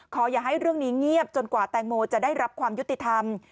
อย่าให้เรื่องนี้เงียบจนกว่าแตงโมจะได้รับความยุติธรรม